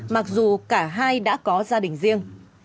mặc dù cả hai đã có gia đình riêng